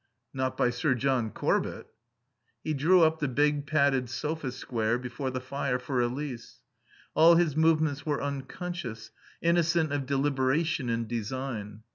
"Not by Sir John Corbett." He drew up the big, padded sofa square before the fire for Elise. All his movements were unconscious, innocent of deliberation and design.